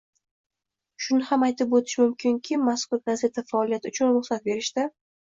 Shuni ham aytib o'tish mumkinki, mazkur gazeta faoliyati uchun ruxsat berishda